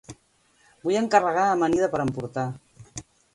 Vull encarregar amanida per emportar.